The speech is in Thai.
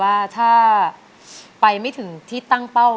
ว่าถ้าไม่ถึงตั้งเป้าว่า